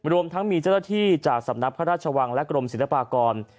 รวมทั้งมีเจ้าหน้าที่จากสำนักพระราชวังและกรมศิลปากร